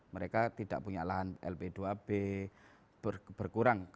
mereka tidak punya lahan lp dua b berkurang